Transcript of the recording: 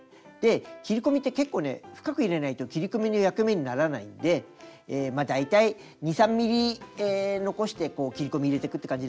切り込みって結構ね深く入れないと切り込みの役目にならないんで大体２３ｍｍ残して切り込み入れてくって感じです。